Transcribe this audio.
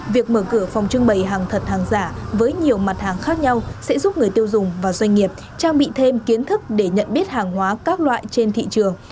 việc mở cửa phòng trưng bày hàng thật hàng giả với nhiều mặt hàng khác nhau sẽ giúp người tiêu dùng và doanh nghiệp trang bị thêm kiến thức để nhận biết hàng hóa các loại trên thị trường